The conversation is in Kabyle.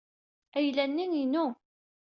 Ayla-nni inu.